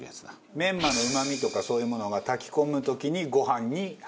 メンマのうまみとかそういうものが炊き込む時にご飯に入っていくっていう。